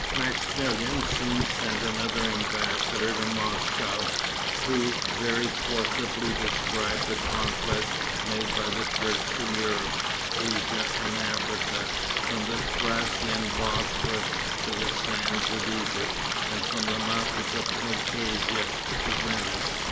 Maximilian soon sent another embassador to Moscow, who very forcibly described the conquests made by the Turks in Europe, Asia and Africa, from the Thracian Bosporus to the sands of Egypt, and from the mountains of Caucasia to Venice.